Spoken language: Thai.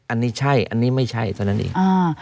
อันนี้ใช่อันนี้ไม่ใช่เท่านั้นเอง